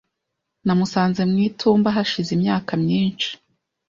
Namusanze mu itumba hashize imyaka myinshi .